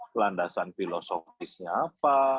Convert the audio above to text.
perubahan filosofisnya apa